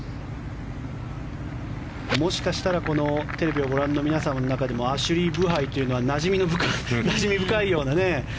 もしかしたらテレビをご覧の皆さんの中にもアシュリー・ブハイというのはなじみ深いような。